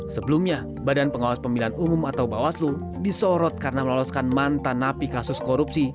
sebelumnya badan pengawas pemilihan umum atau bawaslu disorot karena meloloskan mantan napi kasus korupsi